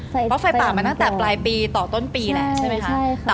เพราะไฟป่ามาตั้งแต่ปลายปีต่อต้นปีแล้วใช่ไหมคะ